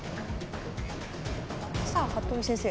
さあ服部先生。